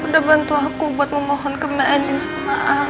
udah bantu aku buat memohon kebaikanin sama al